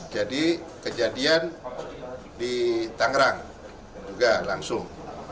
jadi kejadian ditanggerang juga langsung